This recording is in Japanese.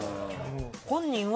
本人は。